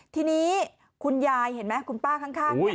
ทีนี้คุณยายเห็นไหมคุณป้าข้างเนี่ย